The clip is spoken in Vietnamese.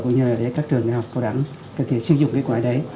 cũng như là để các trường đại học cầu đẳng có thể sử dụng cái quả đấy